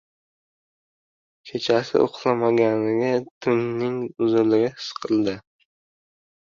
• Kechasi uxlolmagangina tunning uzunligini his qiladi.